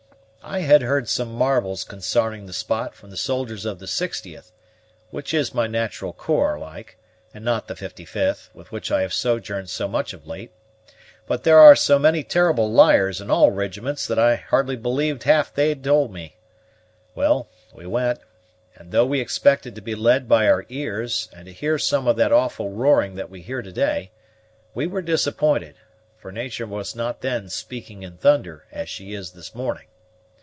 I had heard some marvels consarning the spot from the soldiers of the 60th, which is my nat'ral corps like, and not the 55th, with which I have sojourned so much of late; but there are so many terrible liars in all rijiments that I hardly believed half they had told me. Well, we went; and though we expected to be led by our ears, and to hear some of that awful roaring that we hear to day, we were disappointed, for natur' was not then speaking in thunder, as she is this morning.